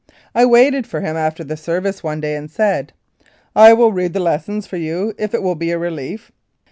I waited for him after the service one day and said, " I will read the lessons for you if it will be a relief."